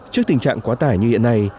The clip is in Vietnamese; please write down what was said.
trước tình trạng quá tải như hiện nay